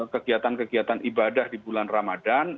kegiatan kegiatan ibadah di bulan ramadan